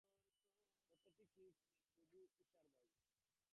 প্রত্যেকটি কীট প্রভু ঈশার ভাই।